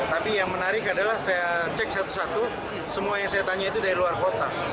tapi yang menarik adalah saya cek satu satu semua yang saya tanya itu dari luar kota